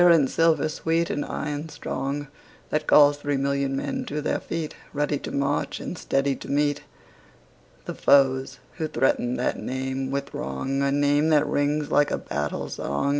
And silver sweet, and iron strong, That calls three million men to their feet, Ready to march, and steady to meet The foes who threaten that name with wrong, A name that rings like a battle song.